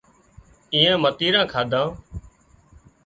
ايئانئي متيران ڪاڌان